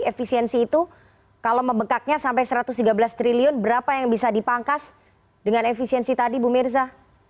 efisiensi itu kalau membekaknya sampai satu ratus tiga belas triliun berapa yang bisa dipangkas dengan efisiensi tadi bu mirza